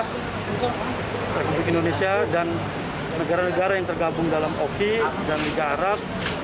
republik indonesia dan negara negara yang tergabung dalam oki dan liga arab